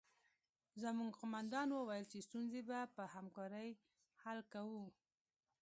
زموږ قومندان وویل چې ستونزې به په همکارۍ حل کوو